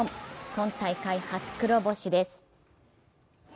今大会初黒星です。